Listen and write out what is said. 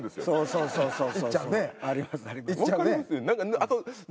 そうそうそう。